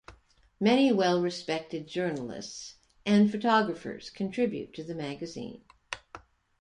Many well respected journalists and photographers contribute to the magazine.